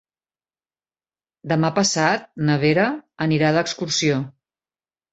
Demà passat na Vera anirà d'excursió.